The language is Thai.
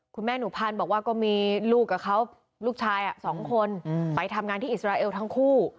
คุณแม่หนูพันธ์บอกว่าก็มีลูกกับเขาลูกชาย๒คนไปทำงานที่อิสราเอลทั้งคู่